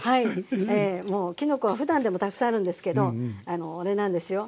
もうきのこはふだんでもたくさんあるんですけどあれなんですよ。